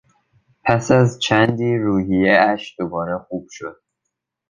پس از چندی روحیهاش دوباره خوب شد.